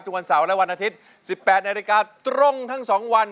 วันเสาร์และวันอาทิตย์๑๘นาฬิกาตรงทั้ง๒วัน